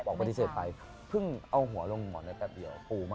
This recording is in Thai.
โปรดติดตามตอนต่อไป